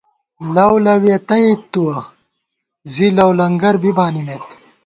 لؤ لَوِیہ تئ تُوَہ ، زی لؤلنگر بی بانِمېت